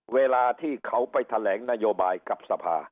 เวลาที่เขาไปแถลงนโยบายกับสภา